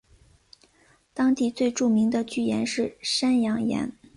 当地最著名的巨岩是山羊岩。